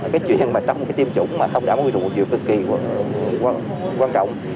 cái chuyện mà trong cái tiêm dụng mà không đảm bảo quy trình một chiều cực kỳ quan trọng